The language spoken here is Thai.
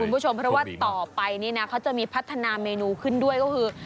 คุณผู้ชมเพราะว่าต่อไปนี้นะเขาจะมีพัฒนาเมนูขึ้นด้วยก็คือ